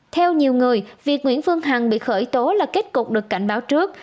theo nhiều người việc nguyễn phương hằng bị khởi tố là kết cục được cảnh báo trước